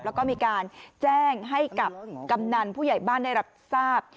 แล้วก็มีการแจ้งให้กับกำนันผู้ใหญ่บ้านได้รับทราบ